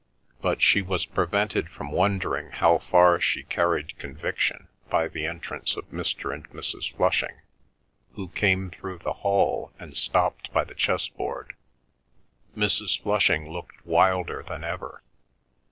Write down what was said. But she was prevented from wondering how far she carried conviction by the entrance of Mr. and Mrs. Flushing, who came through the hall and stopped by the chess board. Mrs. Flushing looked wilder than ever.